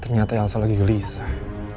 ternyata elsa lagi gelisah